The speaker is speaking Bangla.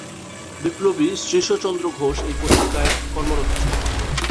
বিপ্লবী শ্রীশচন্দ্র ঘোষ এই পত্রিকায় কর্মরত ছিলেন।